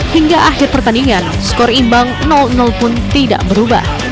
hingga akhir pertandingan skor imbang pun tidak berubah